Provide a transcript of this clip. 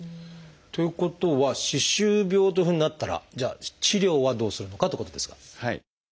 ということは歯周病というふうになったらじゃあ治療はどうするのかってことですが。